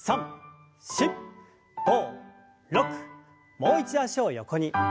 もう一度脚を横に。